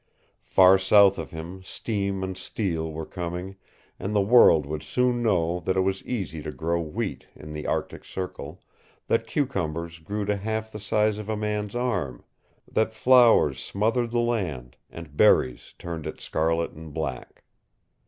Far south of him steam and steel were coming, and the world would soon know that it was easy to grow wheat at the Arctic Circle, that cucumbers grew to half the size of a man's arm, that flowers smothered the land and berries turned it scarlet and black.